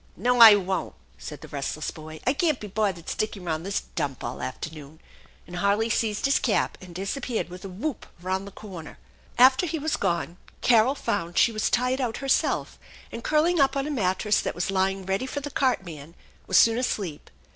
" No, I won't !" said the restless boy. " I can't be bothered sticking round this dump all afternoon "; and Harley seized his cap, and disappeared with a whoop around the corner. | After he was gone Carol found she was tired out herself, and, jcurling up on a mattress that was lying ready for the cart^nan, was soon asleep.